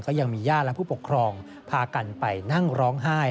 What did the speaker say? ก็ยังมีญาติและผู้ปกครองพากันไปนั่งร้องไห้